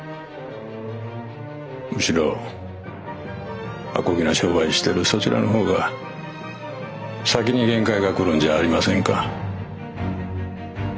むしろアコギな商売してるそちらの方が先に限界が来るんじゃありませんか？